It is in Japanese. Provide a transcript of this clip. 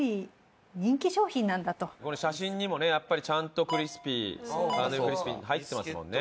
これ写真にもねやっぱりちゃんとクリスピーカーネルクリスピー入ってますもんね。